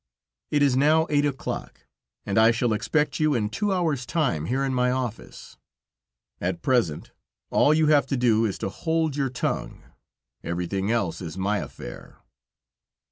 It is now eight o'clock, and I shall expect you in two hours' time, here in my office. At present, all you have to do is to hold your tongue; everything else is my affair."